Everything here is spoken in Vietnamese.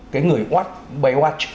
cái người watch